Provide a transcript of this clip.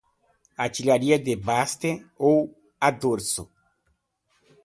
Artilharia de baste ou a dorso